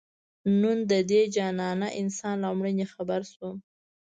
نن د دې جانانه انسان له مړیني خبر شوم